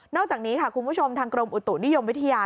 อกจากนี้ค่ะคุณผู้ชมทางกรมอุตุนิยมวิทยา